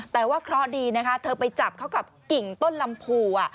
แต่ว่าเคราะห์ดีนะคะเธอไปจับเขากับกิ่งต้นลำพู